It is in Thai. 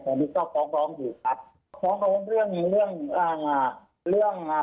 แต่นี่ก็ป้องดองอยู่ครับข้อโน้มเรื่องเรื่องอ่าเรื่องอ่า